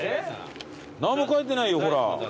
何も書いてないよほら。